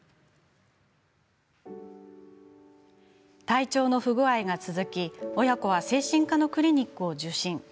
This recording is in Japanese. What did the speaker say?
体調の不具合が続き親子は精神科のクリニックを受診。